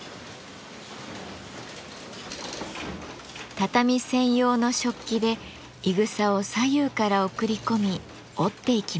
畳専用の織機でいぐさを左右から送り込み織っていきます。